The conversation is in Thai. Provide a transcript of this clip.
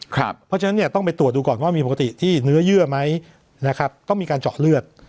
เพราะฉะนั้นเนี่ยต้องไปตรวจดูก่อนว่ามีปกติที่เนื้อเยื่อไหมนะครับก็มีการเจาะเลือด